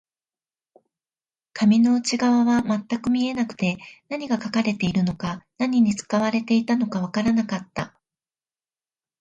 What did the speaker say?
紙の内側は全く見えなくて、何が書かれているのか、何に使われていたのかわからなかった